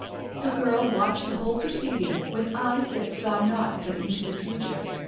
The girl watched the whole proceeding with eyes that saw not but into the future.